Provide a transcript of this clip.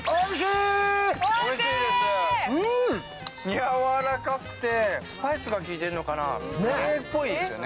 やわらかくて、スパイスが効いているのかな、カレーっぽいですね。